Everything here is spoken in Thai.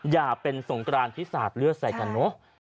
อย่าเป็นสงกรานที่สาดเลือดใส่กันเนอะ